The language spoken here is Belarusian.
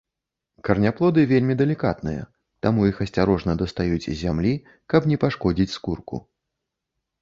Караняплоды вельмі далікатныя, таму іх асцярожна дастаюць з зямлі, каб не пашкодзіць скурку.